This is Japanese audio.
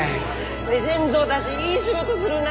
レジェンドだぢいい仕事するなあ！